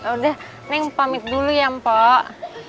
udah meng pamit dulu ya mpok